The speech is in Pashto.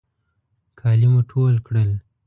کالي مو ټول کړل.